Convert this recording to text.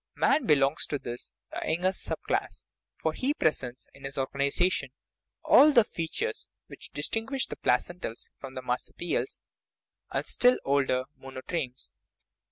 Man belongs to this, the youngest, sub class ; for he presents in his or ganization all the features which distinguish the pla centals from the marsupials and the still older mono tremes.